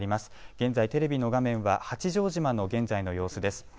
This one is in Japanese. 現在、テレビの画面は八丈島の現在の様子です。